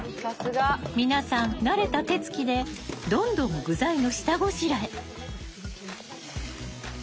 皆さん慣れた手つきでどんどん具材の下ごしらえ。